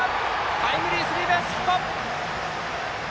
タイムリースリーベースヒット！